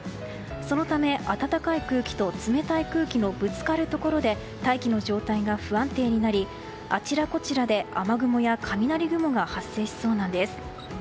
そのため暖かい空気と冷たい空気のぶつかるところで大気の状態が不安定になりあちらこちらで雨雲や雷雲が発生しそうなんです。